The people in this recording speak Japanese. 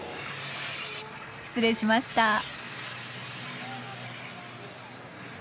失礼しました。